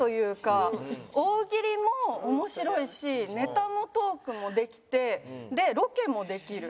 大喜利も面白いしネタもトークもできてでロケもできる。